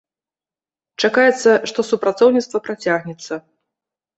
Чакаецца, што супрацоўніцтва працягнецца.